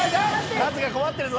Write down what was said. カズが困ってるぞ！